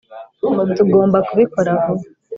tugomba kubikora vuba.